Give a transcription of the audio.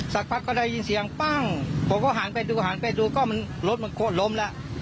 สักพักก็ได้ยินเสียงปั้งผมก็หันไปดูหันไปดูก็มันรถมันโคตรล้มแล้ว